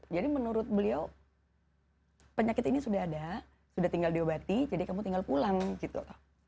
jadi menurut beliau penyakit ini sudah ada sudah tinggal diobati jadi kamu tinggal pulang gitu